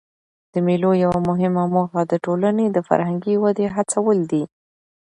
د مېلو یوه مهمه موخه د ټولني د فرهنګي ودي هڅول دي.